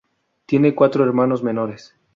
Tiene cuatro hermanos menores.